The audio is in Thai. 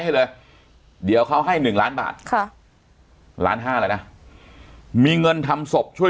ให้เลยเดี๋ยวเขาให้๑ล้านบาทค่ะล้านห้าเลยนะมีเงินทำศพช่วย